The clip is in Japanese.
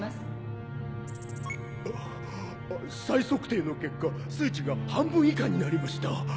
再測定の結果数値が半分以下になりました。